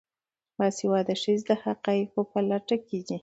باسواده ښځې د حقایقو په لټه کې وي.